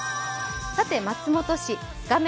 松本市、画面